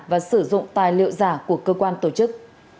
và sử dụng tài liệu giả của cơ quan tổ chức